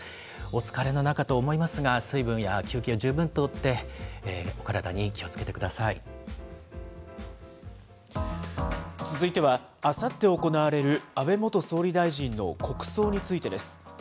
お疲れの中と思いますが、水分や休憩、十分とって、お体に気をつ続いては、あさって行われる安倍元総理大臣の国葬についてです。